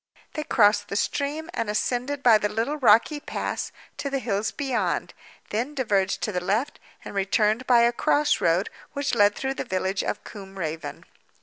They crossed the stream, and ascended by the little rocky pass to the hills beyond; then diverged to the left, and returned by a cross road which led through the village of Combe Raven.